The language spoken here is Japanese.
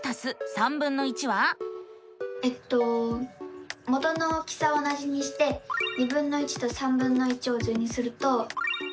えっと元の大きさは同じにしてとを図にすると。